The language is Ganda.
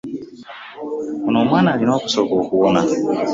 Ono omwana alina okusooka okuwona.